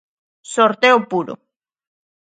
Sorteo puro.